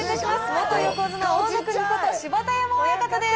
元横綱・大乃国こと芝田山親方です。